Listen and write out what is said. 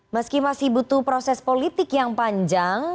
meski masih butuh proses politik yang panjang